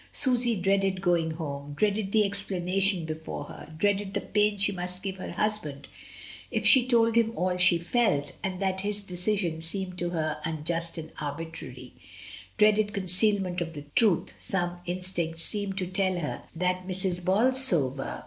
Susy dreaded going home, dreaded the explanation before her, dreaded the pain she must give her husband if she told him all she felt, and that his decision seemed to her unjust and arbitrary; dreaded concealment of the truth* Some instinct seemed to tell her that Miss Bolsover, Mn, Dymond. IL 2, 1 8 MRS. DYMOND.